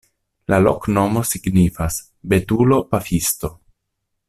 La loknomo signifas: betulo-pafisto.